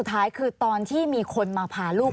ปีอาทิตย์ห้ามีสปีอาทิตย์ห้ามีส